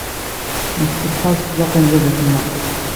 Nessetḥa s tleqqi n baba-tneɣ.